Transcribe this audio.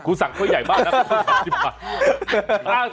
สั่งถ้วยใหญ่มากนะ